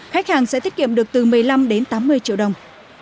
khách hàng sẽ tiết kiệm được từ một mươi năm đến tám mươi triệu đồng